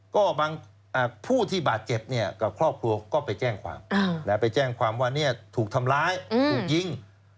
ก็บางผู้ที่บาดเจ็บเนี่ยกับครอบครัวก็ไปแจ้งความไปแจ้งความว่าถูกทำร้ายถูกยิง